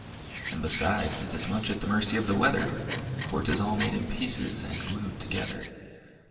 And, besides, it is much at the mercy of the weather For 'tis all made in pieces and glued together!